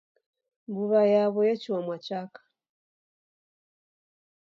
Mbuw'a yaw'o yechua mwachaka.